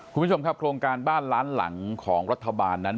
คุณผู้ชมครับโครงการบ้านล้านหลังของรัฐบาลนั้น